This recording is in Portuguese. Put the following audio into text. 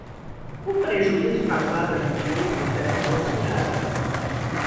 O prejuízo causado à empresa será imensurável